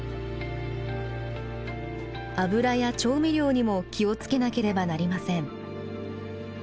油や調味料にも気を付けなければなりません。